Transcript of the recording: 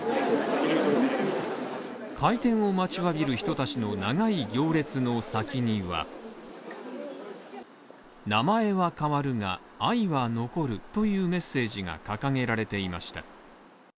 開店を待ちわびる人たちの長い行列の先には「名前は変わるが愛は残る」というメッセージが掲げられていました。